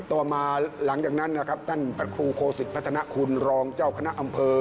ต่อมาหลังจากนั้นนะครับท่านพระครูโคสิตพัฒนาคุณรองเจ้าคณะอำเภอ